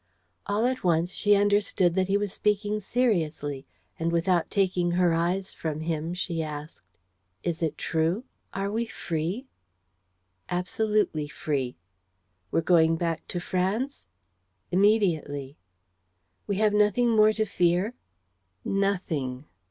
All at once she understood that he was speaking seriously; and, without taking her eyes from him, she asked: "Is it true? Are we free?" "Absolutely free." "We're going back to France?" "Immediately." "We have nothing more to fear?" "Nothing."